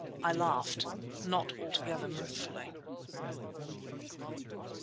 I laughed; not altogether mirthfully.